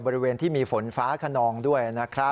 บริเวณที่มีฝนฟ้าคนองด้วย